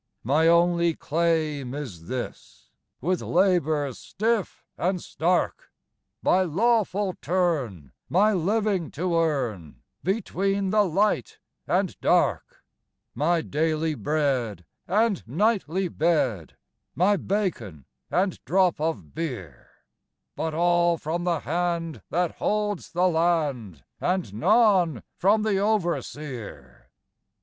My only claim is this, With labor stiff and stark, By lawful turn, my living to earn, Between the light and dark; My daily bread, and nightly bed, My bacon, and drop of beer But all from the hand that holds the land, And none from the overseer!